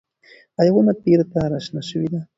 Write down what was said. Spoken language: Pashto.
ایا ونه بېرته راشنه شوې ده؟